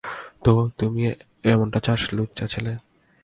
তো, তুই এমনটা চাস, লুচ্চা ছেলে?